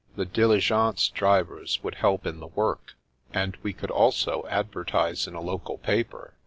The dili gence drivers would help in the work, and we could also advertise in a local paper.